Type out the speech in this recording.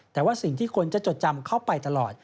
แต่ว่าสิ่งที่คนจะจดจำเข้าไปตลอด